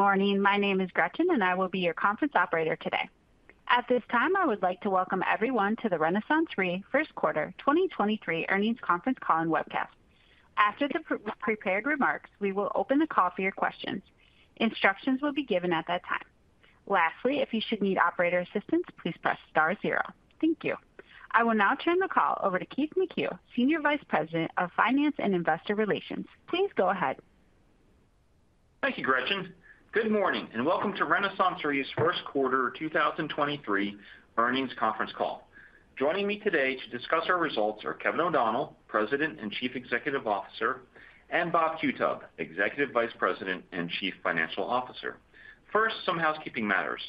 Good morning. My name is Gretchen, and I will be your conference operator today. At this time, I would like to welcome everyone to the RenaissanceRe First Quarter 2023 Earnings Conference Call and Webcast. After the prepared remarks, we will open the call for your questions. Instructions will be given at that time. Lastly, if you should need operator assistance, please press star zero. Thank you. I will now turn the call over to Keith McCue, Senior Vice President of Finance and Investor Relations. Please go ahead. Thank you, Gretchen. Good morning and welcome to RenaissanceRe's first quarter 2023 earnings conference call. Joining me today to discuss our results are Kevin O'Donnell, President and Chief Executive Officer, and Bob Qutub, Executive Vice President and Chief Financial Officer. First, some housekeeping matters.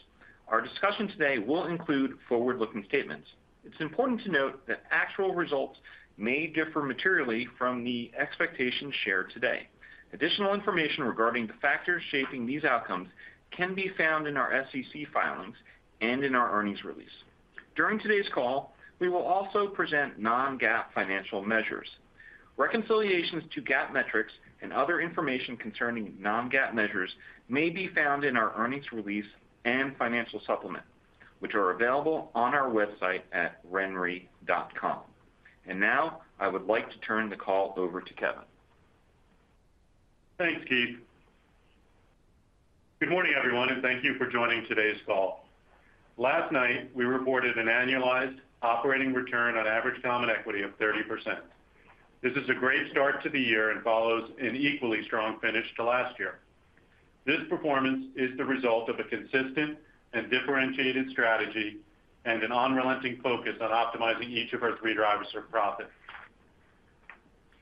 Our discussion today will include forward-looking statements. It's important to note that actual results may differ materially from the expectations shared today. Additional information regarding the factors shaping these outcomes can be found in our SEC filings and in our earnings release. During today's call, we will also present non-GAAP financial measures. Reconciliations to GAAP metrics and other information concerning non-GAAP measures may be found in our earnings release and financial supplement, which are available on our website at renre.com. Now I would like to turn the call over to Kevin. Thanks, Keith. Good morning, everyone, thank you for joining today's call. Last night, we reported an annualized operating return on average common equity of 30%. This is a great start to the year and follows an equally strong finish to last year. This performance is the result of a consistent and differentiated strategy and an unrelenting focus on optimizing each of our three drivers for profit.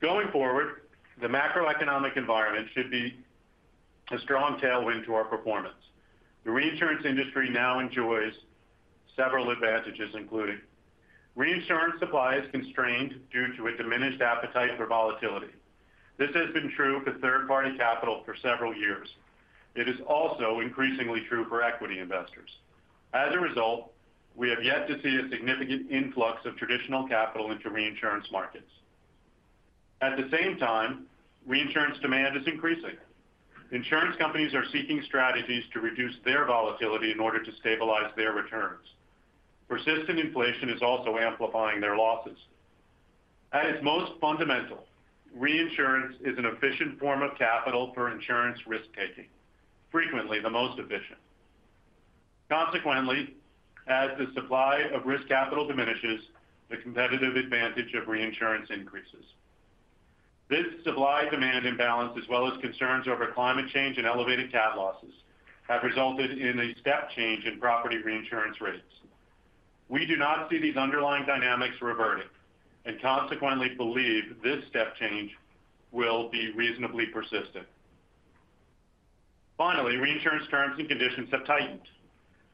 Going forward, the macroeconomic environment should be a strong tailwind to our performance. The reinsurance industry now enjoys several advantages, including reinsurance supply is constrained due to a diminished appetite for volatility. This has been true for third-party capital for several years. It is also increasingly true for equity investors. As a result, we have yet to see a significant influx of traditional capital into reinsurance markets. At the same time, reinsurance demand is increasing. Insurance companies are seeking strategies to reduce their volatility in order to stabilize their returns. Persistent inflation is also amplifying their losses. At its most fundamental, reinsurance is an efficient form of capital for insurance risk-taking, frequently the most efficient. Consequently, as the supply of risk capital diminishes, the competitive advantage of reinsurance increases. This supply-demand imbalance, as well as concerns over climate change and elevated cat losses, have resulted in a step change in property reinsurance rates. We do not see these underlying dynamics reverting, and consequently believe this step change will be reasonably persistent. Finally, reinsurance terms and conditions have tightened.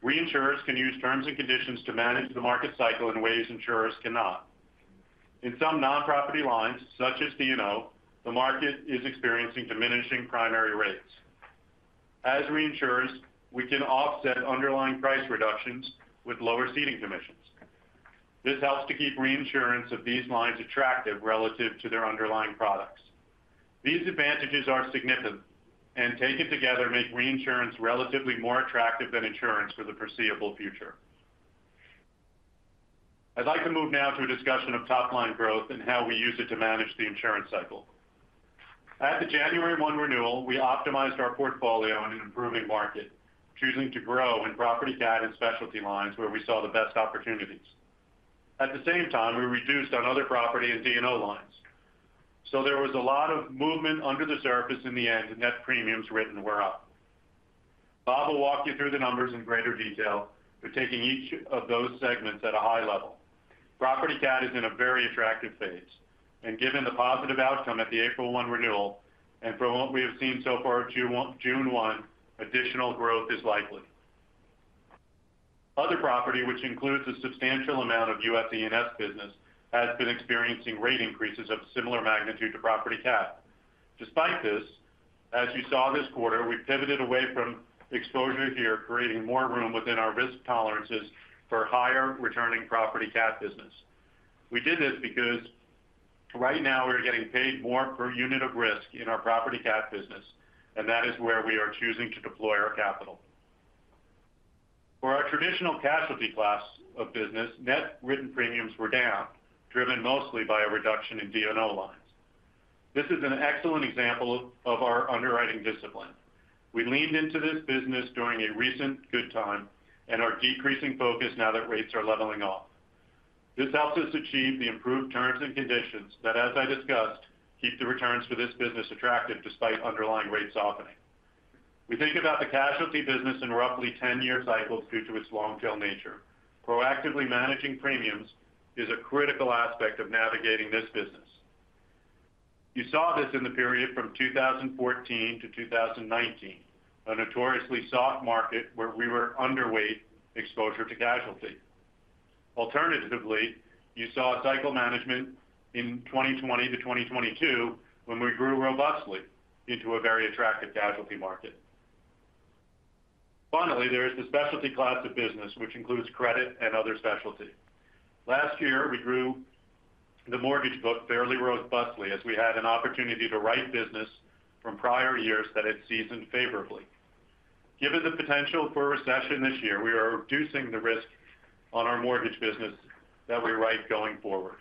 Reinsurers can use terms and conditions to manage the market cycle in ways insurers cannot. In some non-property lines, such as D&O, the market is experiencing diminishing primary rates. As reinsurers, we can offset underlying price reductions with lower ceding commissions. This helps to keep reinsurance of these lines attractive relative to their underlying products. These advantages are significant, and taken together make reinsurance relatively more attractive than insurance for the foreseeable future. I'd like to move now to a discussion of top-line growth and how we use it to manage the insurance cycle. At the January 1 renewal, we optimized our portfolio in an improving market, choosing to grow in property cat and specialty lines where we saw the best opportunities. At the same time, we reduced on other property and D&O lines. There was a lot of movement under the surface in the end, and net premiums written were up. Bob will walk you through the numbers in greater detail. We're taking each of those segments at a high level. Property cat is in a very attractive phase, and given the positive outcome at the April 1 renewal, and from what we have seen so far at June 1, additional growth is likely. Other property, which includes a substantial amount of U.S. E&S business, has been experiencing rate increases of similar magnitude to property cat. Despite this, as you saw this quarter, we've pivoted away from exposure here, creating more room within our risk tolerances for higher returning property cat business. We did this because right now we are getting paid more per unit of risk in our property cat business, and that is where we are choosing to deploy our capital. For our traditional casualty class of business, net written premiums were down, driven mostly by a reduction in D&O lines. This is an excellent example of our underwriting discipline. We leaned into this business during a recent good time and are decreasing focus now that rates are leveling off. This helps us achieve the improved terms and conditions that, as I discussed, keep the returns for this business attractive despite underlying rate softening. We think about the casualty business in roughly 10-year cycles due to its long-tail nature. Proactively managing premiums is a critical aspect of navigating this business. You saw this in the period from 2014-2019, a notoriously soft market where we were underweight exposure to casualty. Alternatively, you saw cycle management in 2020-2022 when we grew robustly into a very attractive casualty market. Finally, there is the specialty class of business, which includes credit and other specialty. Last year, we grew the mortgage book fairly robustly as we had an opportunity to write business from prior years that had seasoned favorably. Given the potential for a recession this year, we are reducing the risk on our mortgage business that we write going forward.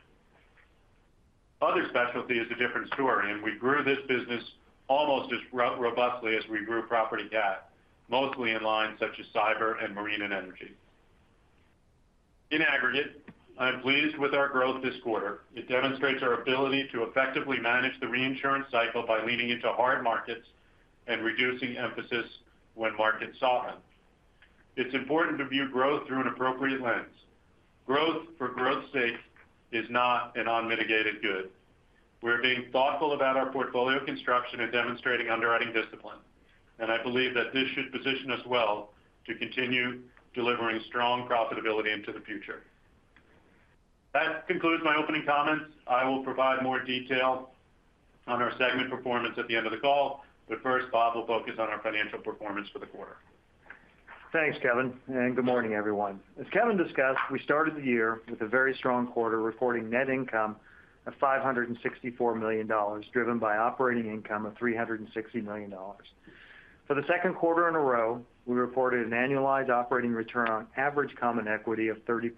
Other specialty is a different story. We grew this business almost as robustly as we grew property cat, mostly in lines such as cyber and marine and energy. In aggregate, I am pleased with our growth this quarter. It demonstrates our ability to effectively manage the reinsurance cycle by leaning into hard markets and reducing emphasis when markets soften. It's important to view growth through an appropriate lens. Growth for growth's sake is not an unmitigated good. We're being thoughtful about our portfolio construction and demonstrating underwriting discipline, and I believe that this should position us well to continue delivering strong profitability into the future. That concludes my opening comments. I will provide more detail on our segment performance at the end of the call. First, Bob will focus on our financial performance for the quarter. Thanks, Kevin. Good morning, everyone. As Kevin discussed, we started the year with a very strong quarter, reporting net income of $564 million, driven by operating income of $360 million. For the second quarter in a row, we reported an annualized operating return on average common equity of 30%.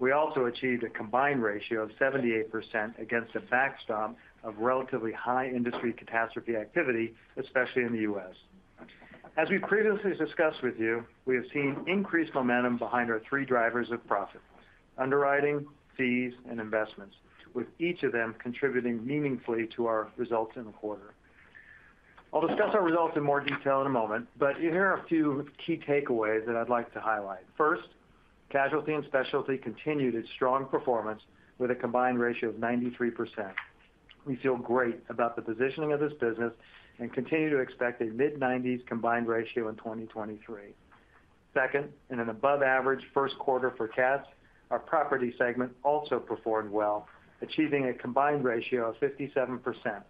We also achieved a combined ratio of 78% against a backstop of relatively high industry catastrophe activity, especially in the U.S. As we previously discussed with you, we have seen increased momentum behind our three drivers of profit: underwriting, fees, and investments, with each of them contributing meaningfully to our results in the quarter. I'll discuss our results in more detail in a moment. Here are a few key takeaways that I'd like to highlight. First, casualty and specialty continued its strong performance with a combined ratio of 93%. We feel great about the positioning of this business and continue to expect a mid-nineties combined ratio in 2023. Second, in an above average first quarter for cats, our property segment also performed well, achieving a combined ratio of 57%.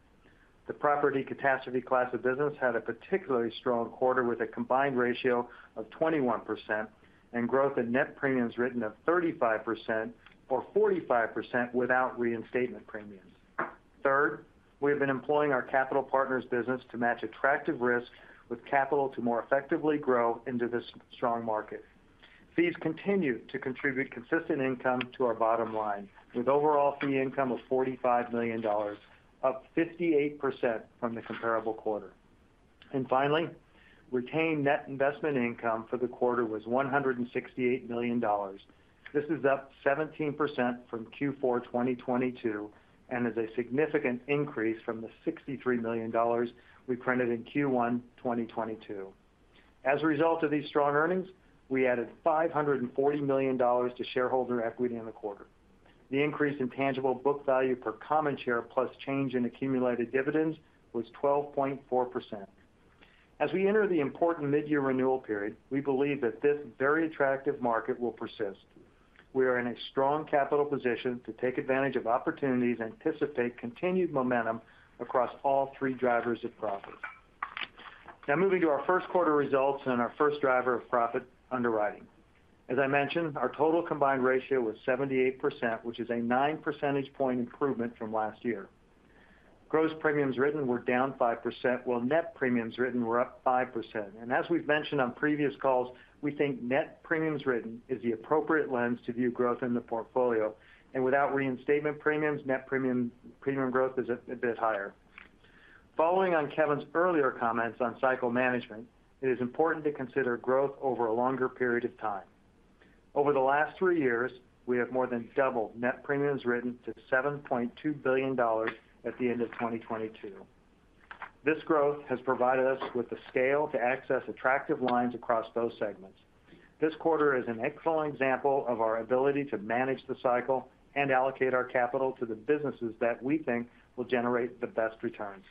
The property catastrophe class of business had a particularly strong quarter with a combined ratio of 21% and growth in net premiums written of 35% or 45% without reinstatement premiums. Third, we have been employing our Capital Partners business to match attractive risk with capital to more effectively grow into this strong market. Fees continue to contribute consistent income to our bottom line with overall fee income of $45 million, up 58% from the comparable quarter. Finally, retained net investment income for the quarter was $168 million. This is up 17% from Q4 2022, and is a significant increase from the $63 million we printed in Q1 2022. As a result of these strong earnings, we added $540 million to shareholder equity in the quarter. The increase in tangible book value per common share plus change in accumulated dividends was 12.4%. As we enter the important mid-year renewal period, we believe that this very attractive market will persist. We are in a strong capital position to take advantage of opportunities and anticipate continued momentum across all three drivers of profit. Now moving to our first quarter results and our first driver of profit underwriting. As I mentioned, our total combined ratio was 78%, which is a 9 percentage point improvement from last year. Gross premiums written were down 5%, while net premiums written were up 5%. As we've mentioned on previous calls, we think net premiums written is the appropriate lens to view growth in the portfolio. Without reinstatement premiums, net premium growth is a bit higher. Following on Kevin's earlier comments on cycle management, it is important to consider growth over a longer period of time. Over the last three years, we have more than doubled net premiums written to $7.2 billion at the end of 2022. This growth has provided us with the scale to access attractive lines across those segments. This quarter is an excellent example of our ability to manage the cycle and allocate our capital to the businesses that we think will generate the best returns.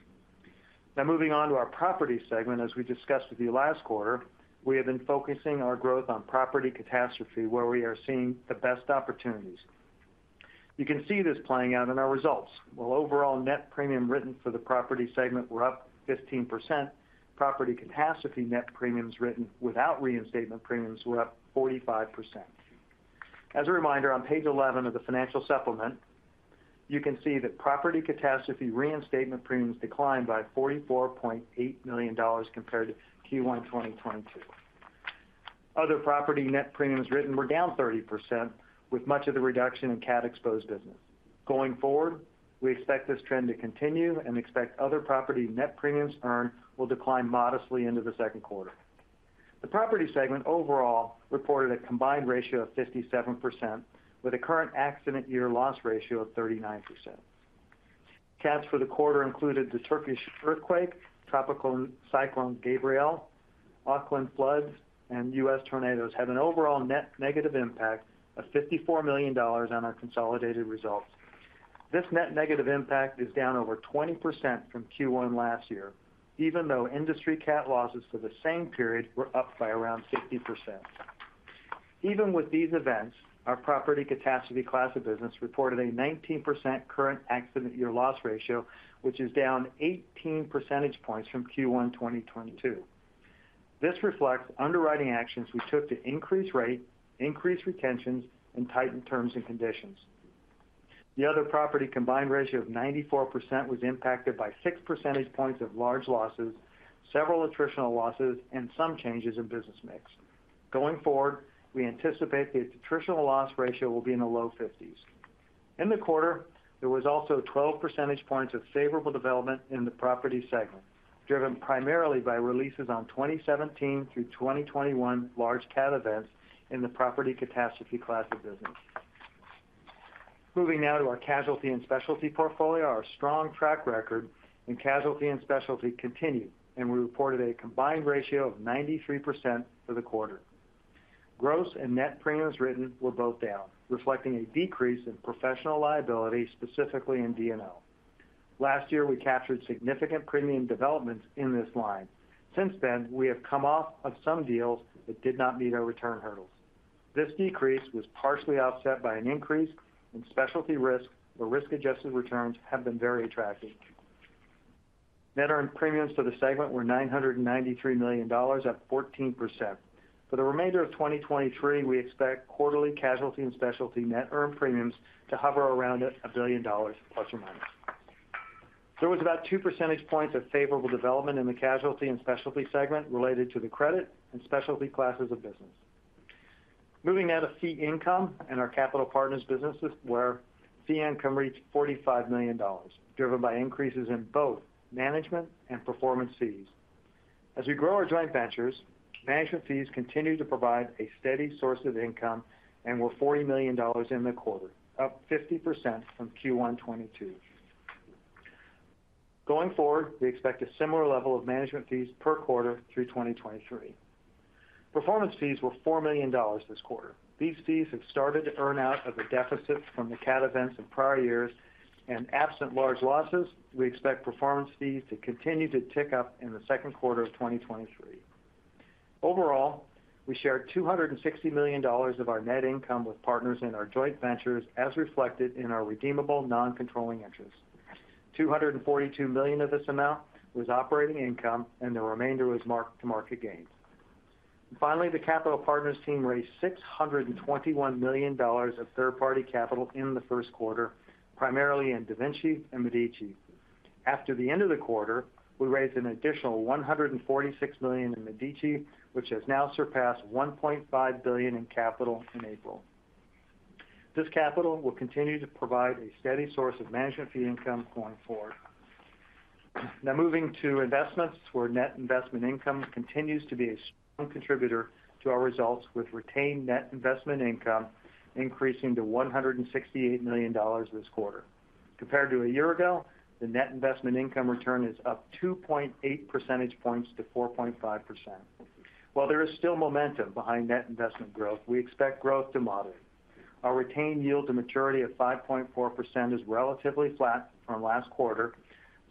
Moving on to our property segment. As we discussed with you last quarter, we have been focusing our growth on property catastrophe, where we are seeing the best opportunities. You can see this playing out in our results. While overall net premium written for the property segment were up 15%, property catastrophe net premiums written without reinstatement premiums were up 45%. As a reminder, on page 11 of the financial supplement, you can see that property catastrophe reinstatement premiums declined by $44.8 million compared to Q1 2022. Other property net premiums written were down 30%, with much of the reduction in cat-exposed business. Going forward, we expect this trend to continue and expect other property net premiums earned will decline modestly into the second quarter. The property segment overall reported a combined ratio of 57%, with a current accident year loss ratio of 39%. Cats for the quarter included the Turkish earthquake, Tropical Cyclone Gabrielle, Auckland floods, and U.S. tornadoes, had an overall net negative impact of $54 million on our consolidated results. This net negative impact is down over 20% from Q1 last year, even though industry cat losses for the same period were up by around 50%. Even with these events, our property catastrophe class of business reported a 19% current accident year loss ratio, which is down 18 percentage points from Q1 2022. This reflects underwriting actions we took to increase rate, increase retentions, and tighten terms and conditions. The other property combined ratio of 94% was impacted by 6 percentage points of large losses, several attritional losses, and some changes in business mix. Going forward, we anticipate the attritional loss ratio will be in the low 50s. In the quarter, there was also 12 percentage points of favorable development in the property segment, driven primarily by releases on 2017-2021 large cat events in the property catastrophe class of business. Moving now to our casualty and specialty portfolio. Our strong track record in casualty and specialty continued. We reported a combined ratio of 93% for the quarter. Gross and net premiums written were both down, reflecting a decrease in professional liability, specifically in D&O. Last year, we captured significant premium developments in this line. Since then, we have come off of some deals that did not meet our return hurdles. This decrease was partially offset by an increase in specialty risk, where risk-adjusted returns have been very attractive. Net earned premiums for the segment were $993 million, up 14%. For the remainder of 2023, we expect quarterly casualty and specialty net earned premiums to hover around $1 billion, ±. There was about 2 percentage points of favorable development in the casualty and specialty segment related to the credit and specialty classes of business. Moving now to fee income and our Capital Partners businesses, where fee income reached $45 million, driven by increases in both management and performance fees. As we grow our joint ventures, management fees continue to provide a steady source of income and were $40 million in the quarter, up 50% from Q1 2022. Going forward, we expect a similar level of management fees per quarter through 2023. Performance fees were $4 million this quarter. These fees have started to earn out of the deficits from the cat events in prior years, and absent large losses, we expect performance fees to continue to tick up in the second quarter of 2023. Overall, we shared $260 million of our net income with partners in our joint ventures, as reflected in our redeemable non-controlling interest. $242 million of this amount was operating income, and the remainder was mark-to-market gains. Finally, the Capital Partners team raised $621 million of third-party capital in the first quarter, primarily in DaVinci and Medici. After the end of the quarter, we raised an additional $146 million in Medici, which has now surpassed $1.5 billion in capital in April. This capital will continue to provide a steady source of management fee income going forward. Moving to investments, where net investment income continues to be a strong contributor to our results, with retained net investment income increasing to $168 million this quarter. Compared to a year ago, the net investment income return is up 2.8 percentage points to 4.5%. While there is still momentum behind net investment growth, we expect growth to moderate. Our retained yield to maturity of 5.4% is relatively flat from last quarter.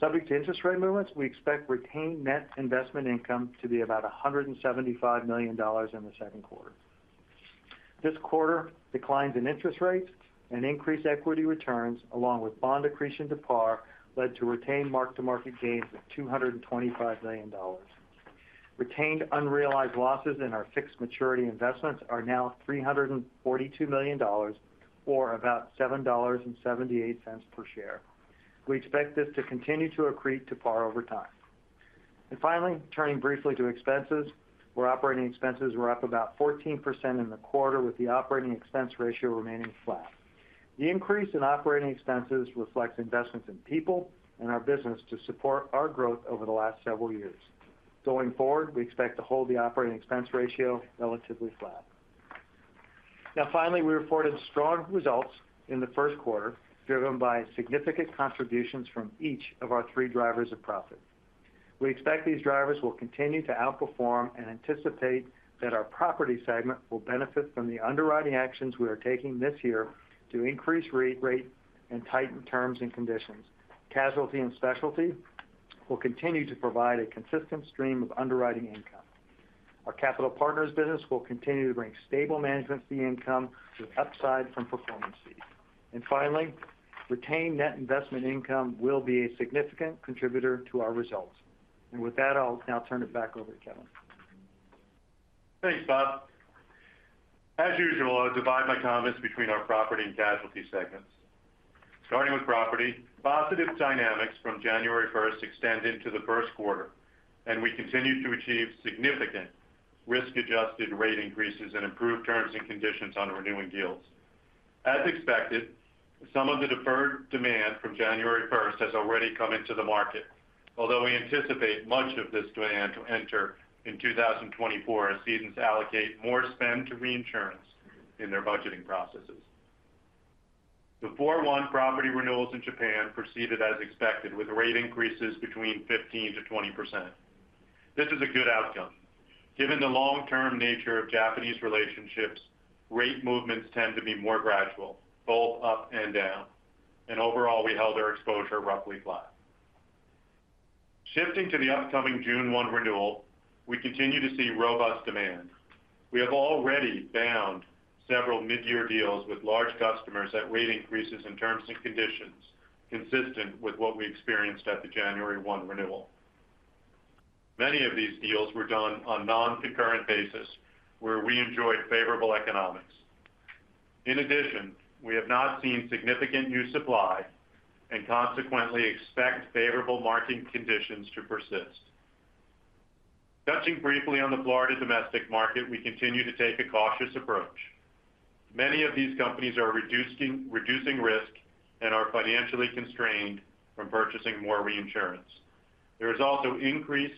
Subject to interest rate movements, we expect retained net investment income to be about $175 million in the second quarter. This quarter, declines in interest rates and increased equity returns, along with bond accretion to par, led to retained mark-to-market gains of $225 million. Retained unrealized losses in our fixed maturity investments are now $342 million, or about $7.78 per share. We expect this to continue to accrete to par over time. Finally, turning briefly to expenses, where operating expenses were up about 14% in the quarter, with the operating expense ratio remaining flat. The increase in operating expenses reflects investments in people and our business to support our growth over the last several years. Going forward, we expect to hold the operating expense ratio relatively flat. Finally, we reported strong results in the first quarter, driven by significant contributions from each of our three drivers of profit. We expect these drivers will continue to outperform and anticipate that our property segment will benefit from the underwriting actions we are taking this year to increase rate and tighten terms and conditions. Casualty and specialty will continue to provide a consistent stream of underwriting income. Our Capital Partners business will continue to bring stable management fee income with upside from performance fees. Finally, retained net investment income will be a significant contributor to our results. With that, I'll now turn it back over to Kevin. Thanks, Bob. As usual, I'll divide my comments between our property and casualty segments. Starting with property, positive dynamics from January 1st extend into the first quarter. We continue to achieve significant risk-adjusted rate increases and improved terms and conditions on renewing deals. As expected, some of the deferred demand from January 1st has already come into the market, although we anticipate much of this demand to enter in 2024 as cedents allocate more spend to reinsurance in their budgeting processes. The 4/1 property renewals in Japan proceeded as expected, with rate increases between 15%-20%. This is a good outcome. Given the long-term nature of Japanese relationships, rate movements tend to be more gradual, both up and down. Overall, we held our exposure roughly flat. Shifting to the upcoming June 1st renewal, we continue to see robust demand. We have already bound several mid-year deals with large customers at rate increases in terms and conditions consistent with what we experienced at the January 1 renewal. Many of these deals were done on non-concurrent basis, where we enjoyed favorable economics. In addition, we have not seen significant new supply and consequently expect favorable market conditions to persist. Touching briefly on the Florida domestic market, we continue to take a cautious approach. Many of these companies are reducing risk and are financially constrained from purchasing more reinsurance. There is also increased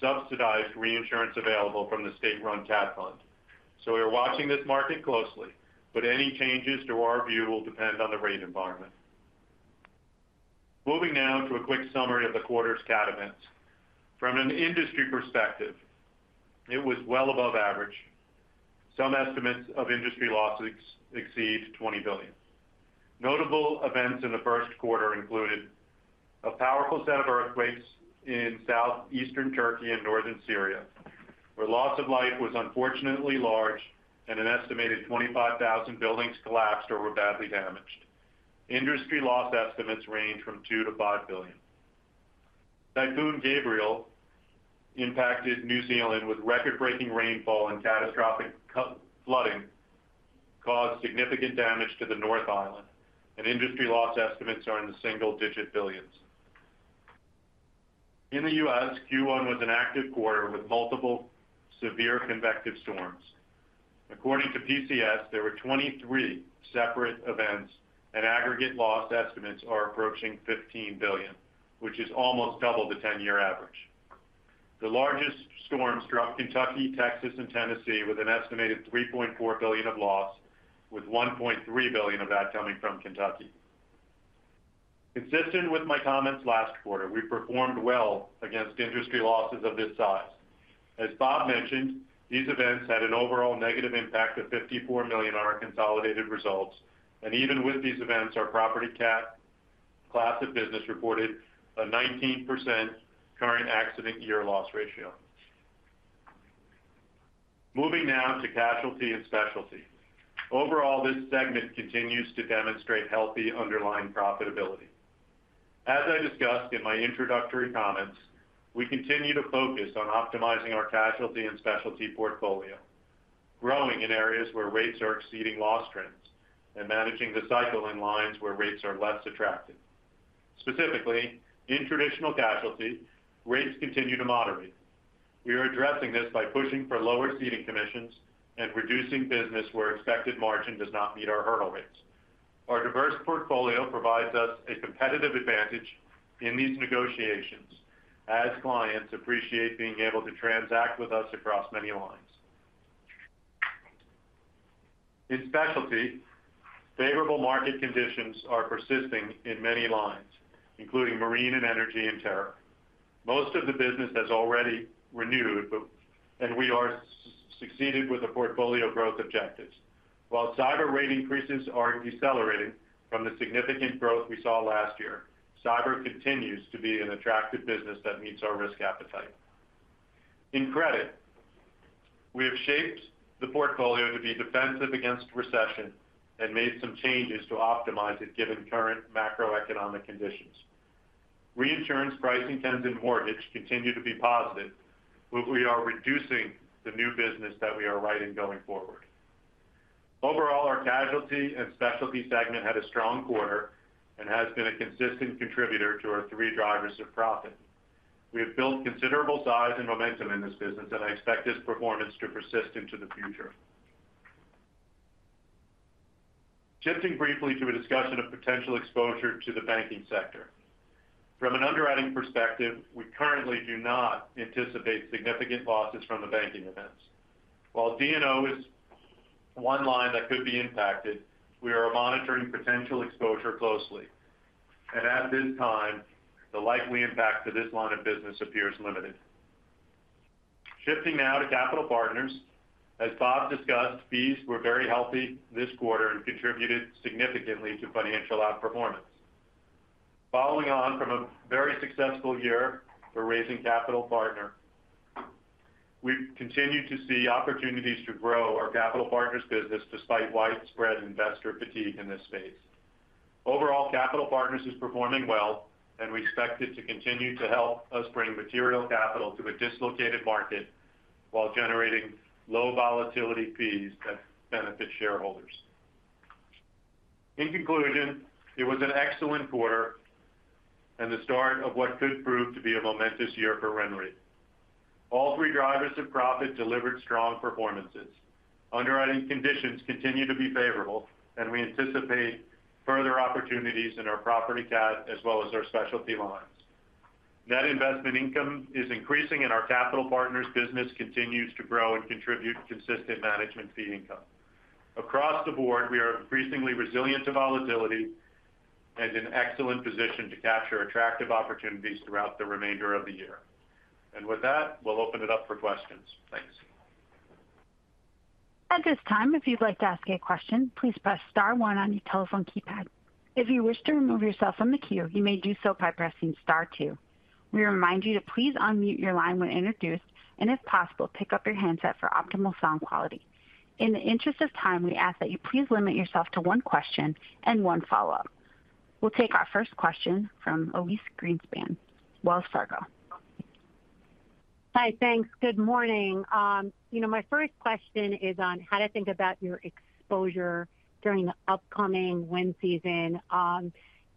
subsidized reinsurance available from the state-run Cat Fund. We are watching this market closely, but any changes to our view will depend on the rate environment. Moving now to a quick summary of the quarter's cat events. From an industry perspective, it was well above average. Some estimates of industry losses exceed $20 billion. Notable events in the first quarter included a powerful set of earthquakes in southeastern Turkey and northern Syria, where loss of life was unfortunately large and an estimated 25,000 buildings collapsed or were badly damaged. Industry loss estimates range from $2 billion-$5 billion. Cyclone Gabrielle impacted New Zealand with record-breaking rainfall and catastrophic flooding, caused significant damage to the North Island. Industry loss estimates are in the single-digit billions. In the U.S., Q1 was an active quarter with multiple severe convective storms. According to PCS, there were 23 separate events, and aggregate loss estimates are approaching $15 billion, which is almost double the 10-year average. The largest storms struck Kentucky, Texas and Tennessee, with an estimated $3.4 billion of loss, with $1.3 billion of that coming from Kentucky. Consistent with my comments last quarter, we performed well against industry losses of this size. As Bob mentioned, these events had an overall negative impact of $54 million on our consolidated results. Even with these events, our property cat class of business reported a 19% current accident year loss ratio. Moving now to Casualty and Specialty. Overall, this segment continues to demonstrate healthy underlying profitability. As I discussed in my introductory comments, we continue to focus on optimizing our casualty and specialty portfolio, growing in areas where rates are exceeding loss trends, and managing the cycle in lines where rates are less attractive. Specifically, in traditional casualty, rates continue to moderate. We are addressing this by pushing for lower ceding commissions and reducing business where expected margin does not meet our hurdle rates. Our diverse portfolio provides us a competitive advantage in these negotiations as clients appreciate being able to transact with us across many lines. In specialty, favorable market conditions are persisting in many lines, including marine and energy and terror. Most of the business has already renewed, and we are succeeded with the portfolio growth objectives. While cyber rate increases are decelerating from the significant growth we saw last year, cyber continues to be an attractive business that meets our risk appetite. In credit, we have shaped the portfolio to be defensive against recession and made some changes to optimize it given current macroeconomic conditions. Reinsurance pricing trends in mortgage continue to be positive, but we are reducing the new business that we are writing going forward. Overall, our casualty and specialty segment had a strong quarter and has been a consistent contributor to our three drivers of profit. We have built considerable size and momentum in this business, and I expect this performance to persist into the future. Shifting briefly to a discussion of potential exposure to the banking sector. From an underwriting perspective, we currently do not anticipate significant losses from the banking events. While D&O is one line that could be impacted, we are monitoring potential exposure closely. At this time, the likely impact to this line of business appears limited. Shifting now to Capital Partners. As Bob discussed, fees were very healthy this quarter and contributed significantly to financial outperformance. Following on from a very successful year for raising Capital Partner, we've continued to see opportunities to grow our Capital Partners business despite widespread investor fatigue in this space. Overall, Capital Partners is performing well, we expect it to continue to help us bring material capital to a dislocated market while generating low volatility fees that benefit shareholders. In conclusion, it was an excellent quarter and the start of what could prove to be a momentous year for RenRe. All three drivers of profit delivered strong performances. Underwriting conditions continue to be favorable, we anticipate further opportunities in our property cat as well as our specialty lines. Net investment income is increasing, our Capital Partners business continues to grow and contribute consistent management fee income. Across the board, we are increasingly resilient to volatility, in excellent position to capture attractive opportunities throughout the remainder of the year. With that, we'll open it up for questions. Thanks. At this time, if you'd like to ask a question, please press star one on your telephone keypad. If you wish to remove yourself from the queue, you may do so by pressing star two. We remind you to please unmute your line when introduced, and if possible, pick up your handset for optimal sound quality. In the interest of time, we ask that you please limit yourself to one question and one follow-up. We'll take our first question from Elyse Greenspan, Wells Fargo. Hi. Thanks. Good morning. You know, my first question is on how to think about your exposure during the upcoming wind season,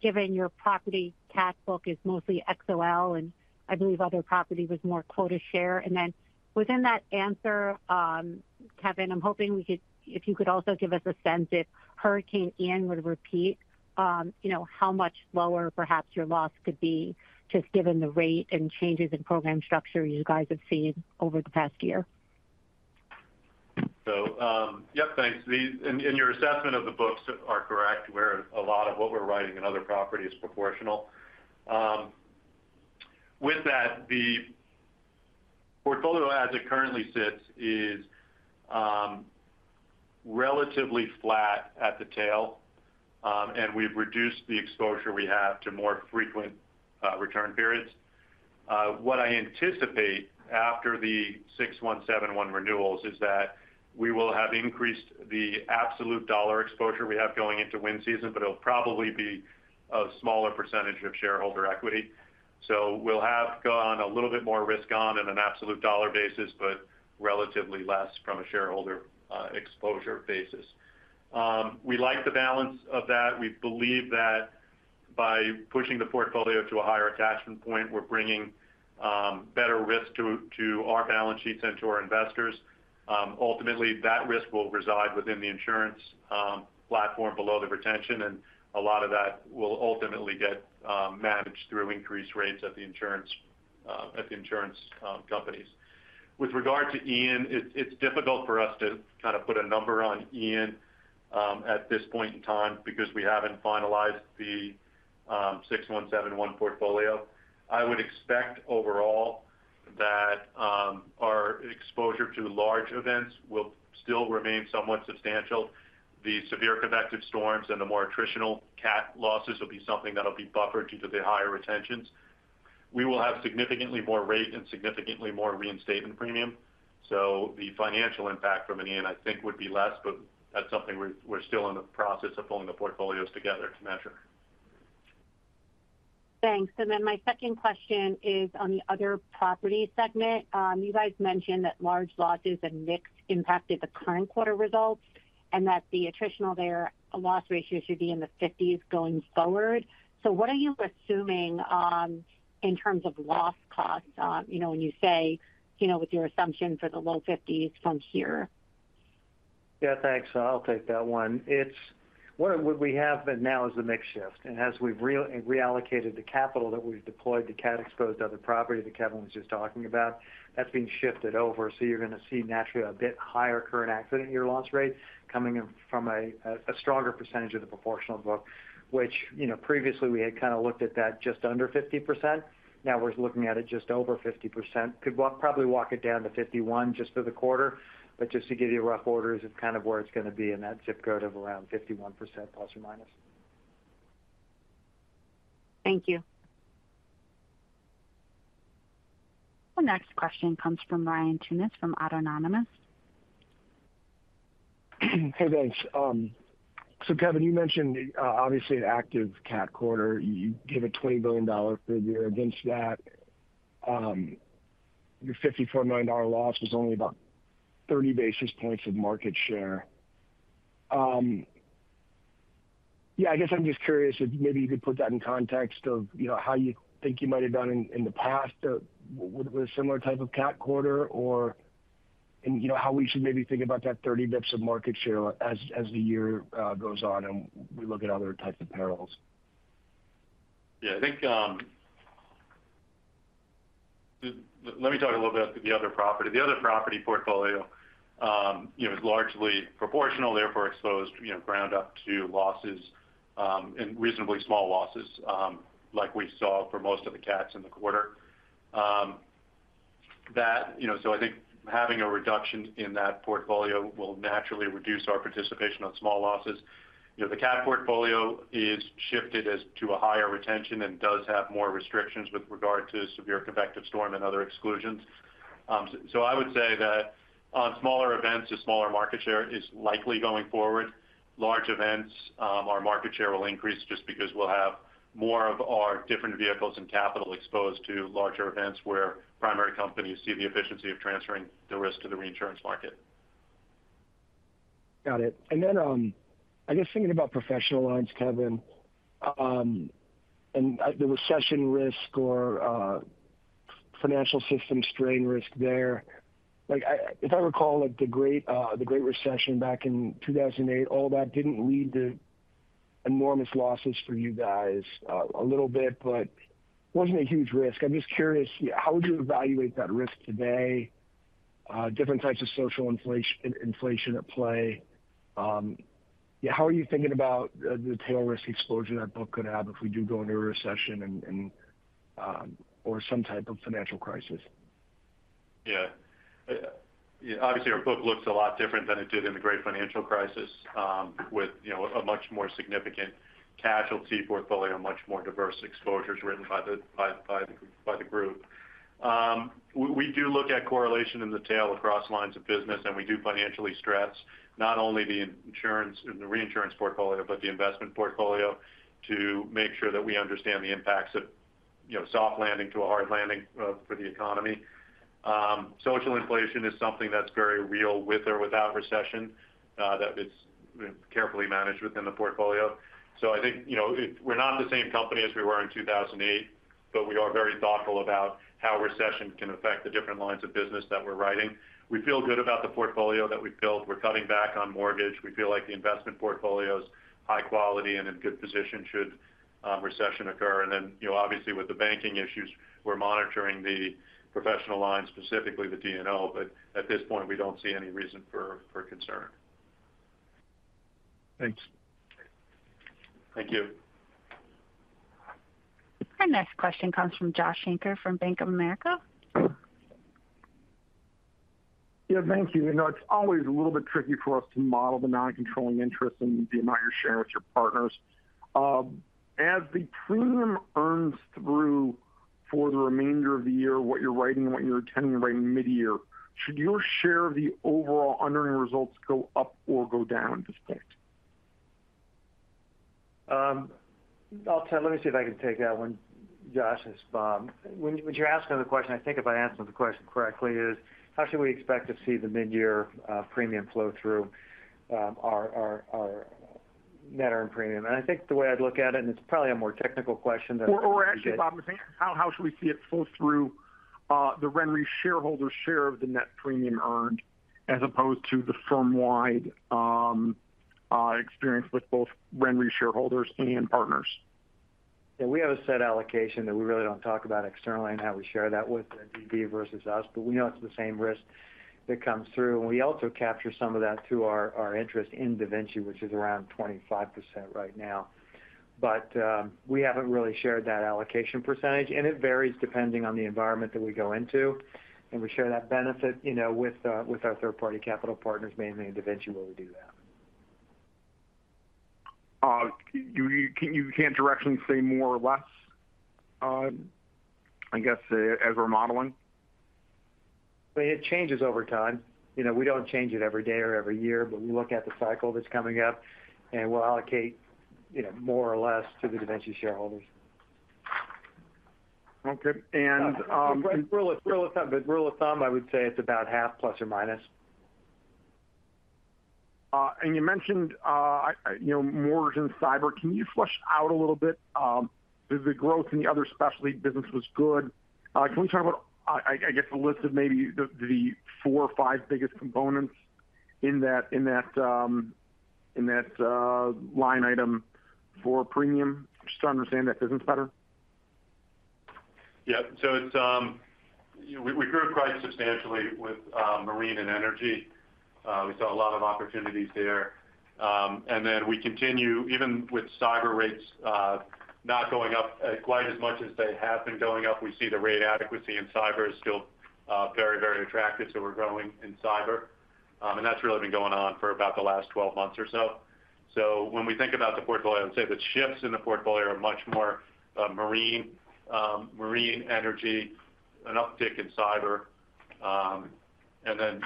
given your property cat book is mostly XOL, and I believe other property was more quota share. Within that answer, Kevin, I'm hoping if you could also give us a sense if Hurricane Ian would repeat, you know, how much lower perhaps your loss could be just given the rate and changes in program structure you guys have seen over the past year? Yeah, thanks. In your assessment of the books are correct, where a lot of what we're writing in other property is proportional. With that, the portfolio as it currently sits is relatively flat at the tail, and we've reduced the exposure we have to more frequent return periods. What I anticipate after the 6171 renewals is that we will have increased the absolute dollar exposure we have going into wind season, but it'll probably be a smaller % of shareholder equity. We'll have gone a little bit more risk on in an absolute dollar basis, but relatively less from a shareholder exposure basis. We like the balance of that. We believe that by pushing the portfolio to a higher attachment point, we're bringing better risk to our balance sheets and to our investors. Ultimately, that risk will reside within the insurance platform below the retention, a lot of that will ultimately get managed through increased rates at the insurance companies. With regard to Ian, it's difficult for us to kind of put a number on Ian at this point in time because we haven't finalized the 6171 portfolio. I would expect overall that our exposure to large events will still remain somewhat substantial. The severe convective storms and the more attritional cat losses will be something that'll be buffered due to the higher retentions. We will have significantly more rate and significantly more reinstatement premium. The financial impact from an Ian, I think, would be less, but that's something we're still in the process of pulling the portfolios together to measure. Thanks. My second question is on the other property segment. You guys mentioned that large losses and mix impacted the current quarter results and that the attritional there loss ratio should be in the 50s going forward. What are you assuming in terms of loss costs when you say with your assumption for the low 50s from here? Thanks. I'll take that one. It's what we have now is the mix shift. As we've reallocated the capital that we've deployed to cat exposed other property that Kevin was just talking about, that's being shifted over. You're gonna see naturally a bit higher current accident year loss rate coming in from a stronger percentage of the proportional book, which, you know, previously we had kind of looked at that just under 50%. Now we're looking at it just over 50%. Probably walk it down to 51 just for the quarter. Just to give you rough orders of kind of where it's gonna be in that zip code of around 51% ±. Thank you. The next question comes from Ryan Tunis from Autonomous Research. Hey, thanks. Kevin, you mentioned obviously an active cat quarter. You gave a $20 billion figure. Against that, your $54 million loss was only about 30 basis points of market share. Yeah, I guess I'm just curious if maybe you could put that in context of, you know, how you think you might have done in the past or with a similar type of cat quarter or, and, you know, how we should maybe think about that 30 basis points of market share as the year goes on and we look at other types of perils. Yeah, I think, Let me talk a little bit to the other property. The other property portfolio, you know, is largely proportional, therefore exposed, you know, ground up to losses, and reasonably small losses, like we saw for most of the cats in the quarter. That, you know, so I think having a reduction in that portfolio will naturally reduce our participation on small losses. You know, the cat portfolio is shifted as to a higher retention and does have more restrictions with regard to severe convective storm and other exclusions. I would say that on smaller events, a smaller market share is likely going forward. Large events, our market share will increase just because we'll have more of our different vehicles and capital exposed to larger events where primary companies see the efficiency of transferring the risk to the reinsurance market. Got it. I guess thinking about professional lines, Kevin, and the recession risk or financial system strain risk there. If I recall, like the great recession back in 2008, all that didn't lead to enormous losses for you guys. A little bit, but wasn't a huge risk. I'm just curious, how would you evaluate that risk today? Different types of social inflation at play. How are you thinking about the tail risk exposure that book could have if we do go into a recession and or some type of financial crisis? Obviously, our book looks a lot different than it did in the great financial crisis, with, you know, a much more significant casualty portfolio, much more diverse exposures written by the group. We do look at correlation in the tail across lines of business, and we do financially stress not only the insurance and the reinsurance portfolio, but the investment portfolio to make sure that we understand the impacts of, you know, soft landing to a hard landing for the economy. Social inflation is something that's very real with or without recession, that is carefully managed within the portfolio. I think, you know, we're not the same company as we were in 2008, but we are very thoughtful about how recession can affect the different lines of business that we're writing. We feel good about the portfolio that we've built. We're cutting back on mortgage. We feel like the investment portfolio is high quality and in good position should recession occur. Then, you know, obviously with the banking issues, we're monitoring the professional lines, specifically the D&O. At this point, we don't see any reason for concern. Thanks. Thank you. Our next question comes from Josh Shanker from Bank of America. Yeah, thank you. You know, it's always a little bit tricky for us to model the redeemable non-controlling interest and the amount you share with your partners. As the premium earns through for the remainder of the year, what you're writing and what you're intending to write in mid-year, should your share of the overall underwriting results go up or go down at this point? let me see if I can take that one, Josh. It's Bob. When you're asking the question, I think if I answered the question correctly, is how should we expect to see the mid-year premium flow through our net earned premium? I think the way I'd look at it, and it's probably a more technical question. Actually, Bob, how should we see it flow through, the RenRe shareholder share of the net premium earned as opposed to the firm-wide experience with both RenRe shareholders and partners? Yeah, we have a set allocation that we really don't talk about externally and how we share that with DV versus us, but we know it's the same risk that comes through. We also capture some of that through our interest in DaVinci, which is around 25% right now. We haven't really shared that allocation percentage, and it varies depending on the environment that we go into. We share that benefit, you know, with our third-party Capital Partners, mainly DaVinci, where we do that. You can't directly say more or less, I guess, as we're modeling? It changes over time. You know, we don't change it every day or every year, but we look at the cycle that's coming up, and we'll allocate, you know, more or less to the DaVinci shareholders. Okay. Rule of thumb, I would say it's about half ±. You mentioned, you know, mortgage and cyber. Can you flesh out a little bit, the growth in the other specialty business was good? Can we talk about, I guess, a list of maybe the four or five biggest components in that line item for premium, just to understand that business better? It's, you know, we grew price substantially with marine and energy. We saw a lot of opportunities there. We continue even with cyber rates not going up quite as much as they have been going up. We see the rate adequacy in cyber is still very, very attractive. We're growing in cyber. That's really been going on for about the last 12 months or so. When we think about the portfolio, I would say the shifts in the portfolio are much more marine energy, an uptick in cyber,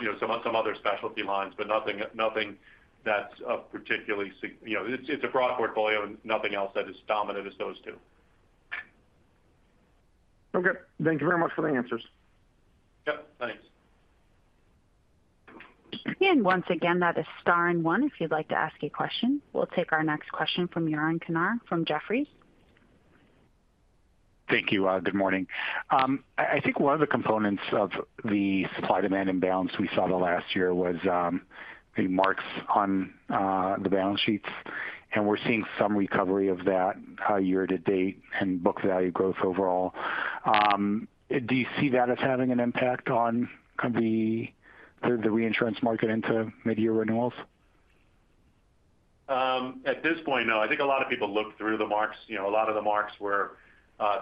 you know, some other specialty lines, but nothing that's particularly, you know, it's a broad portfolio and nothing else that is dominant as those two. Okay. Thank you very much for the answers. Yep. Thanks. Once again, that is star and one if you'd like to ask a question. We'll take our next question from Yaron Kinar from Jefferies. Thank you. Good morning. I think one of the components of the supply-demand imbalance we saw the last year was the marks on the balance sheets, and we're seeing some recovery of that year to date and book value growth overall. Do you see that as having an impact on the reinsurance market into mid-year renewals? At this point, no. I think a lot of people look through the marks. You know, a lot of the marks were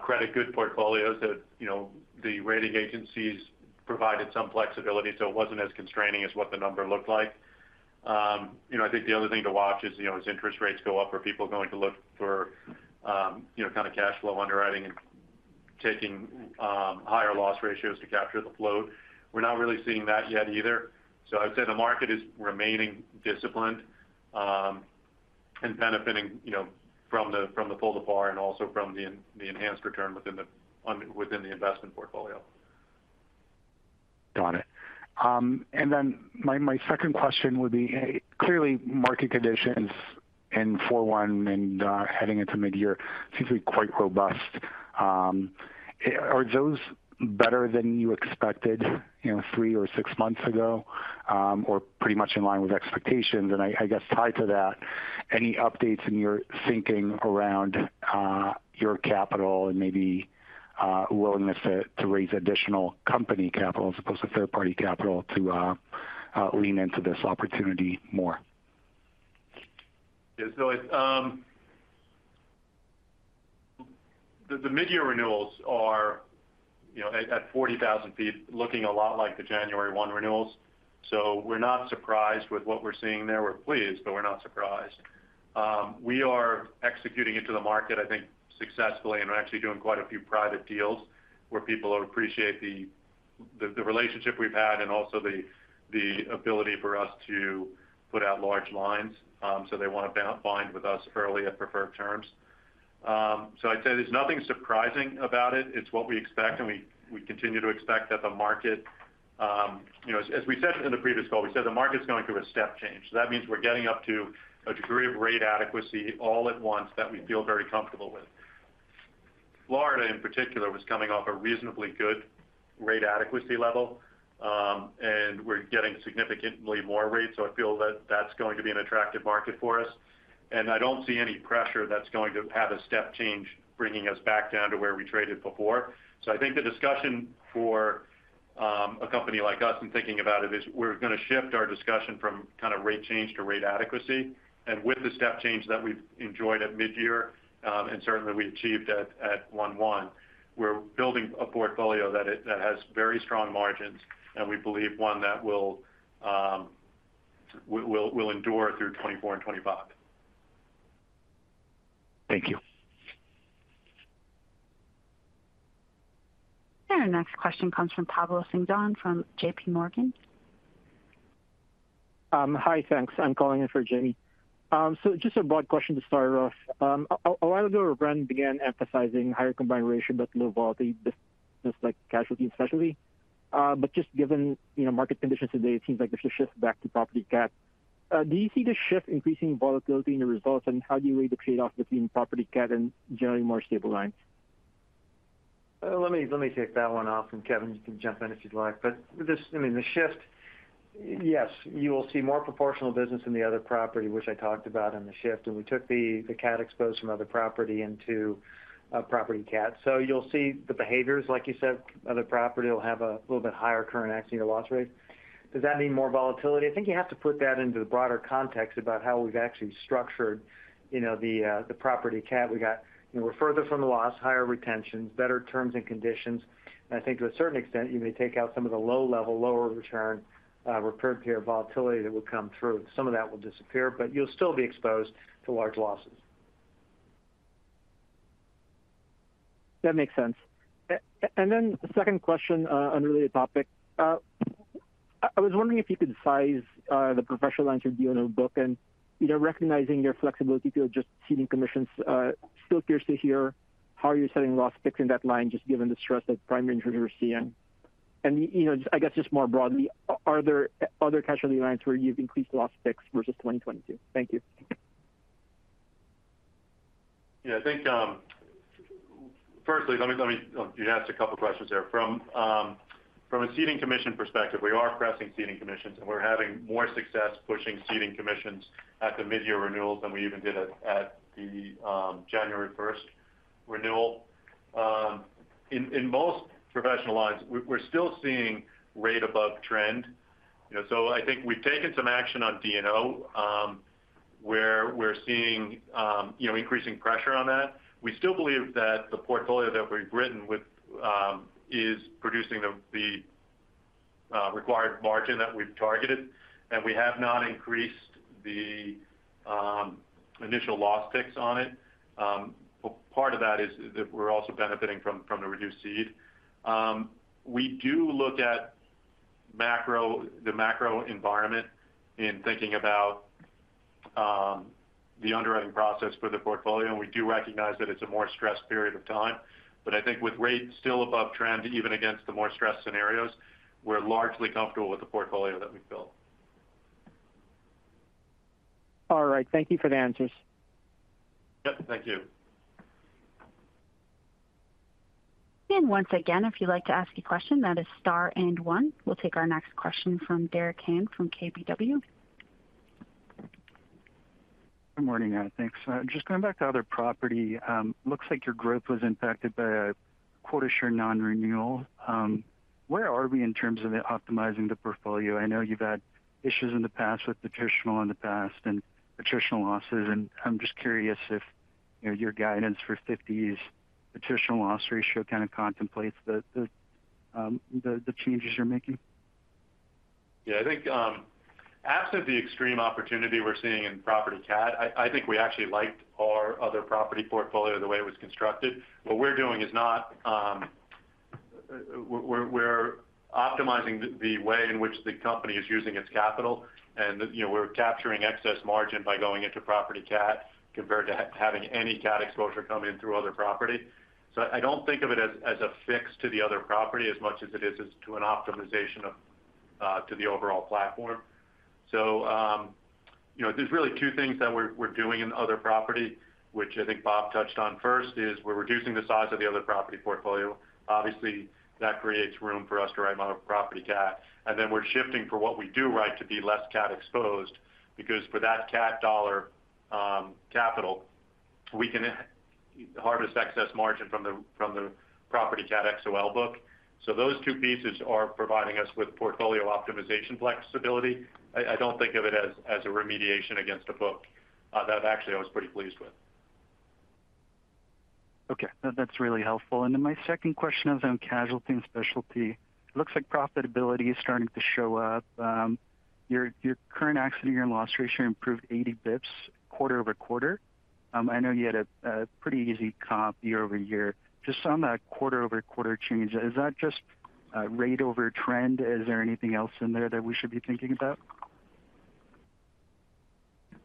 credit-good portfolios that, you know, the rating agencies provided some flexibility, so it wasn't as constraining as what the number looked like. You know, I think the other thing to watch is, you know, as interest rates go up, are people going to look for, you know, kind of cash flow underwriting and taking higher loss ratios to capture the float? We're not really seeing that yet either. I'd say the market is remaining disciplined and benefiting, you know, from the pull-to-par and also from the enhanced return within the investment portfolio. Got it. My, my second question would be, clearly market conditions in four one and heading into mid-year seems to be quite robust. Are those better than you expected, you know, three or six months ago, or pretty much in line with expectations? I guess tied to that, any updates in your thinking around your capital and maybe willingness to raise additional company capital as opposed to third-party capital to lean into this opportunity more? Yeah. It's... The mid-year renewals are, you know, at 40,000 feet, looking a lot like the January 1 renewals. We're not surprised with what we're seeing there. We're pleased, but we're not surprised. We are executing into the market, I think, successfully, and we're actually doing quite a few private deals where people appreciate the relationship we've had and also the ability for us to put out large lines, so they wanna bind with us early at preferred terms. I'd say there's nothing surprising about it. It's what we expect, and we continue to expect that the market, you know, as we said in the previous call, we said the market's going through a step change. That means we're getting up to a degree of rate adequacy all at once that we feel very comfortable with. Florida, in particular, was coming off a reasonably good rate adequacy level, and we're getting significantly more rates, so I feel that that's going to be an attractive market for us. I don't see any pressure that's going to have a step change bringing us back down to where we traded before. I think the discussion for a company like us in thinking about it is we're gonna shift our discussion from kind of rate change to rate adequacy. With the step change that we've enjoyed at mid-year, and certainly we achieved at 1/1, we're building a portfolio that has very strong margins and we believe one that will endure through 2024 and 2025. Thank you. Our next question comes from Pablo Singzon from J.P. Morgan. Hi. Thanks. I'm calling in for Jimmy. Just a broad question to start off. A while ago, our brand began emphasizing higher combined ratio but low volatility business like casualty and specialty. Just given, you know, market conditions today, it seems like there's a shift back to property cat. Do you see the shift increasing volatility in the results, and how do you weigh the trade-off between property cat and generally more stable lines? Let me take that one off, and Kevin, you can jump in if you'd like. I mean, the shift, yes, you will see more proportional business in the other property, which I talked about on the shift, and we took the cat exposed from other property into property cat. You'll see the behaviors, like you said, other property will have a little bit higher current accident year loss rate. Does that mean more volatility? I think you have to put that into the broader context about how we've actually structured, you know, the property cat. We got, you know, we're further from the loss, higher retentions, better terms and conditions. I think to a certain extent, you may take out some of the low level, lower return, repaired pair volatility that will come through. Some of that will disappear, but you'll still be exposed to large losses. That makes sense. Then the second question, unrelated topic. I was wondering if you could size the professional answer D&O book and, you know, recognizing your flexibility if you're just ceding commissions, still curious to hear how you're setting loss picks in that line, just given the stress that primary insurers are seeing. You know, just I guess just more broadly, are there other casualty lines where you've increased loss picks versus 2022? Thank you. Yeah. I think, firstly, let me... You asked a couple questions there. From a ceding commission perspective, we are pressing ceding commissions, and we're having more success pushing ceding commissions at the mid-year renewals than we even did at the January first renewal. In most professional lines, we're still seeing rate above trend. You know, so I think we've taken some action on D&O, where we're seeing, you know, increasing pressure on that. We still believe that the portfolio that we've written with, is producing the required margin that we've targeted, and we have not increased the initial loss picks on it. Part of that is that we're also benefiting from the reduced cede. We do look at the macro environment in thinking about the underwriting process for the portfolio. We do recognize that it's a more stressed period of time. I think with rates still above trend, even against the more stressed scenarios, we're largely comfortable with the portfolio that we've built. All right. Thank you for the answers. Yep. Thank you. Once again, if you'd like to ask a question, that is star and one. We'll take our next question from Derek Han from KBW. Good morning, guys. Thanks. Just going back to other property, looks like your growth was impacted by a quota share non-renewal. Where are we in terms of optimizing the portfolio? I know you've had issues in the past with attritional losses, I'm just curious if, you know, your guidance for 50% attritional loss ratio kind of contemplates the changes you're making. Yeah. I think, absent the extreme opportunity we're seeing in property cat, I think we actually liked our other property portfolio the way it was constructed. What we're doing is not, we're optimizing the way in which the company is using its capital. You know, we're capturing excess margin by going into property cat compared to having any cat exposure come in through other property. I don't think of it as a fix to the other property as much as it is to an optimization of the overall platform. You know, there's really two things that we're doing in other property, which I think Bob touched on. First is we're reducing the size of the other property portfolio. Obviously, that creates room for us to write more property cat. We're shifting for what we do write to be less cat exposed, because for that cat dollar, capital. We can harvest excess margin from the property cat XOL book. Those two pieces are providing us with portfolio optimization flexibility. I don't think of it as a remediation against a book that actually I was pretty pleased with. Okay. That's really helpful. My second question is on casualty and specialty. It looks like profitability is starting to show up. Your current accident year loss ratio improved 80 basis points quarter-over-quarter. I know you had a pretty easy comp year-over-year. On that quarter-over-quarter change, is that just a rate over trend? Is there anything else in there that we should be thinking about?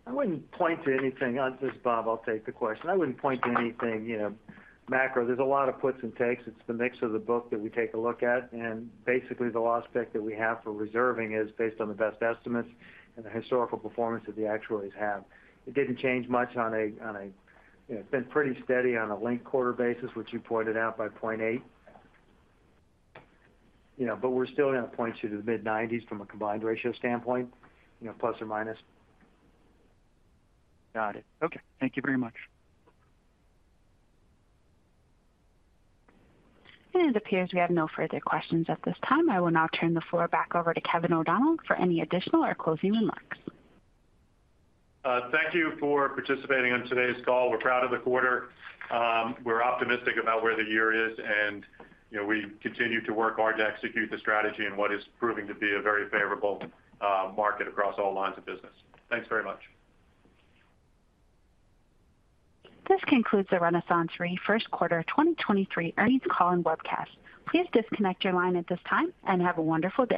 I wouldn't point to anything. This is Bob, I'll take the question. I wouldn't point to anything, you know, macro. There's a lot of puts and takes. It's the mix of the book that we take a look at, and basically the loss pick that we have for reserving is based on the best estimates and the historical performance that the actuaries have. It didn't change much on a, you know, it's been pretty steady on a linked quarter basis, which you pointed out by 0.8. You know, we're still gonna point to the mid-90s from a combined ratio standpoint, you know, plus or minus. Got it. Okay. Thank you very much. It appears we have no further questions at this time. I will now turn the floor back over to Kevin O'Donnell for any additional or closing remarks. Thank you for participating on today's call. We're proud of the quarter. We're optimistic about where the year is, you know, we continue to work hard to execute the strategy in what is proving to be a very favorable market across all lines of business. Thanks very much. This concludes the RenaissanceRe first quarter 2023 earnings call and webcast. Please disconnect your line at this time and have a wonderful day.